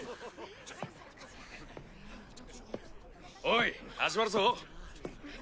おい始まるぞ。